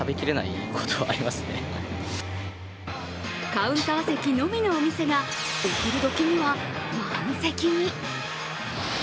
カウンター席のみのお店がお昼時には満席に。